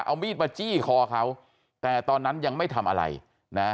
เอามีดมาจี้คอเขาแต่ตอนนั้นยังไม่ทำอะไรนะ